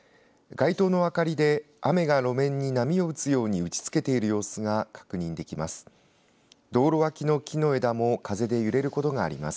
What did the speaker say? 街頭の明かりで雨が路面に波を打つように打ち付けている様子が確認できます。